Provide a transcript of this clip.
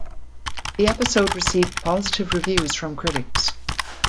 The episode received positive reviews from critics.